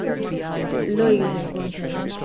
Law is important.